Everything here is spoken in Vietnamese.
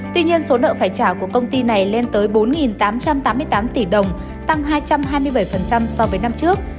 tuy nhiên số nợ phải trả của công ty này lên tới bốn tám trăm tám mươi tám tỷ đồng tăng hai trăm hai mươi bảy so với năm trước